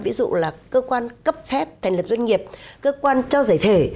ví dụ là cơ quan cấp thép thành lập doanh nghiệp cơ quan cho giải thể